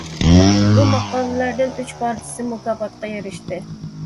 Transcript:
بۇ ماقالىلەردىن ئۈچ پارچىسى مۇكاپاتقا ئېرىشتى.